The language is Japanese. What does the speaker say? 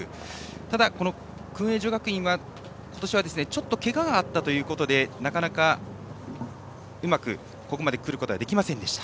ただ、薫英女学院は今年はちょっとけががあったということでなかなか、うまくここまで来ることができませんでした。